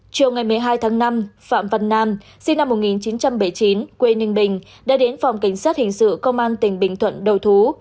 chiều ngày một mươi hai tháng năm phạm văn nam sinh năm một nghìn chín trăm bảy mươi chín quê ninh bình đã đến phòng cảnh sát hình sự công an tỉnh bình thuận đầu thú